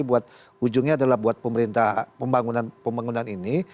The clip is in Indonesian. buat ujungnya adalah buat pemerintah pembangunan ini